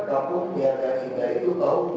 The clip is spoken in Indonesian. takutnya dari kita itu tahun dua ribu sepuluh